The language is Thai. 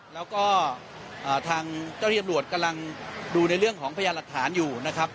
แล้วก็ทางเจ้าที่ตำรวจกำลังดูในเรื่องของพยานหลักฐานอยู่นะครับ